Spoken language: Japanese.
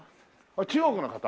中国の方？